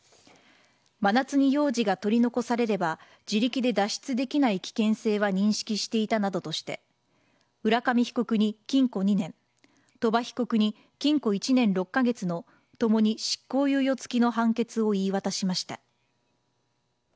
真夏に幼児が取り残されれば自力で脱出できない危険性は認識していたなどとして、浦上被告に禁錮２年、鳥羽被告に禁錮１年６か月のともに執行猶予付きの判決を言い渡しました。